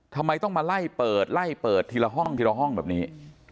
ทำไมต้องมาไล่เปิดไล่เปิดทีละห้องทีละห้องแบบนี้